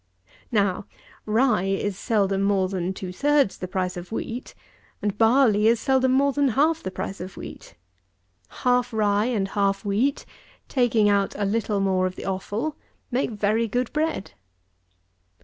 Now, rye is seldom more than two thirds the price of wheat, and barley is seldom more than half the price of wheat. Half rye and half wheat, taking out a little more of the offal, make very good bread.